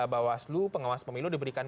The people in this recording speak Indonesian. bawaslu pengawas pemilu diberikan